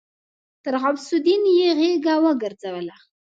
تر غوث الدين يې غېږه وګرځوله.